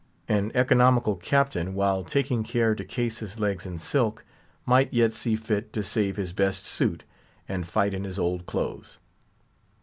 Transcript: An economical captain, while taking care to case his legs in silk, might yet see fit to save his best suit, and fight in his old clothes.